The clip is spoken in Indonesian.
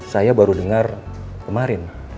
saya baru dengar kemarin